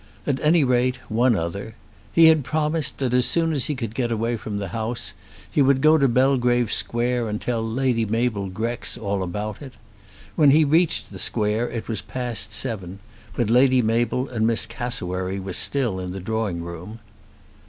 At any rate one other. He had promised that as soon as he could get away from the House he would go to Belgrave Square and tell Lady Mabel Grex all about it. When he reached the square it was past seven, but Lady Mabel and Miss Cassewary were still in the drawing room.